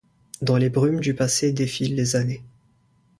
Dans les brumes du passé défilent les années.